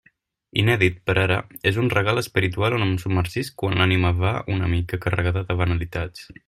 Inèdit, per ara, és un regal espiritual on em submergisc quan l'ànima va una mica carregada de banalitats.